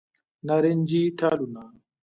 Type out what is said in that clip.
نارنجې ټالونه